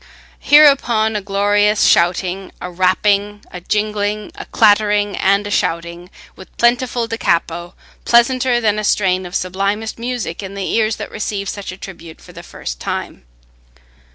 Hereupon a glorious shouting, a rapping, a jingling, a clattering, and a shouting, with plentiful da capo, pleasanter than a strain of sublimest music in the ears that receive such a tribute for the first time.